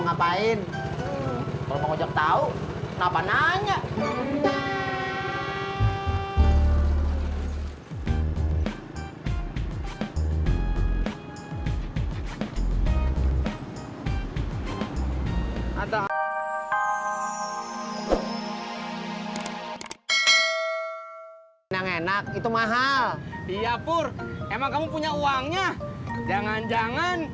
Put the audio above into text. sampai jumpa di video selanjutnya